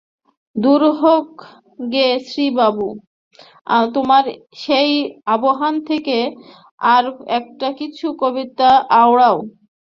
দূর হোক গে শ্রীশবাবু, তোমার সেই আবাহন থেকে আর-একটা কিছু কবিতা আওড়াও।